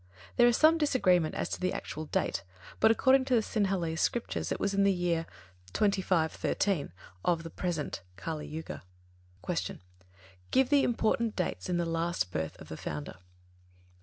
There is some disagreement as to the actual date, but according to the Sinhalese Scriptures it was in the year 2513 of the (present) Kali Yuga. 8. Q. _Give the important dates in the last birth of the Founder?